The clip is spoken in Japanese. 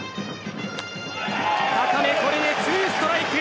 これでツーストライク。